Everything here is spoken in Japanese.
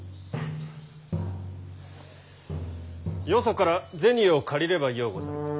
よそから銭を借りればようござる。